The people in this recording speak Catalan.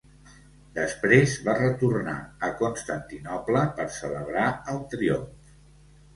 Després va retornar a Constantinoble per celebrar el triomf.